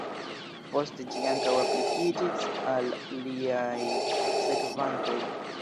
Poste ĝi ankaŭ aplikiĝis al liaj sekvantoj.